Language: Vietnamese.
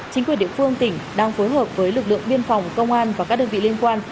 chính quyền địa phương tỉnh đang phối hợp với lực lượng biên phòng công an và các đơn vị liên quan